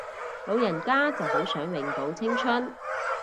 老人家就好想永葆青春